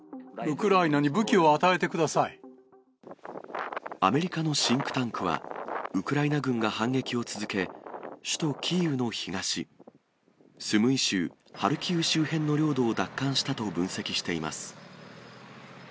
ウクライナに武器を与えてくアメリカのシンクタンクは、ウクライナ軍が反撃を続け、首都キーウの東、スムイ州、ハルキウ周辺の領土を奪還したと分析しています。